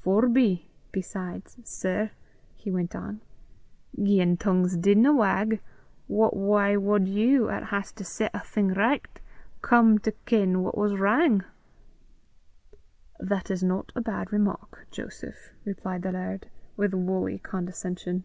"Forby (besides), sir," he went on, "gien tongues didna wag, what w'y wad you, 'at has to set a' thing richt, come to ken what was wrang?" "That is not a bad remark, Joseph," replied the laird, with woolly condescension.